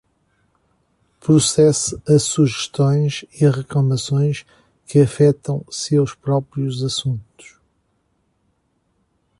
Processe as sugestões e reclamações que afetam seus próprios assuntos.